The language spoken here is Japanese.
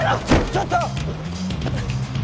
ちょっと！